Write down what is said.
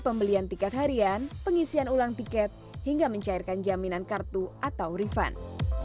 pembelian tiket harian pengisian ulang tiket hingga mencairkan jaminan kartu atau refund